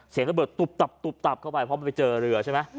เสียงระเบิดตุ๊บตับตุ๊บตับเข้าไปเพราะมันไปเจอเรือใช่ไหม